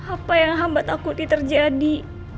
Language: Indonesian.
apa yang hambat takuti terjadi